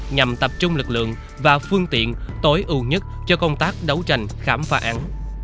nhằm tập trung lực lượng và phương tiện tối ưu nhất cho công tác đấu tranh khám phá án